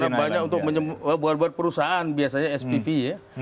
disana banyak untuk buat buat perusahaan biasanya spv ya